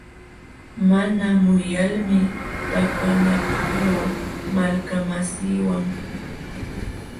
Mana muyalmi takanakuqluu malkamasiiwan.